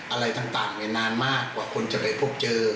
อะไรต่างนานมากกว่าคนจะไปพบเจอ